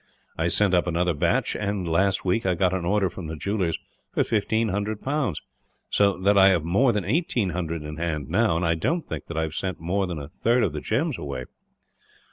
I sent up another batch and, last week, I got an order from the jewellers for fifteen hundred pounds; so that I have more than eighteen hundred in hand now, and I don't think that I have sent more than a third of the gems away."